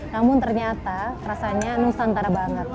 namun ternyata rasanya nusantara banget